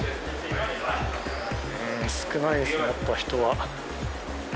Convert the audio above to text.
少ないですね、やっぱり人は。